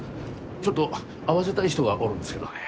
ちょっと会わせたい人がおるんですけどね。